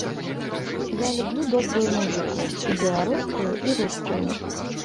Я люблю добрую музыку, і беларускую, і рускую.